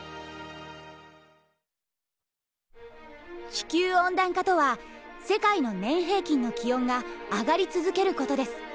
地球温暖化とは世界の年平均の気温が上がり続けることです。